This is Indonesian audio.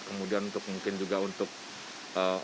kemudian untuk mungkin juga untuk orang lain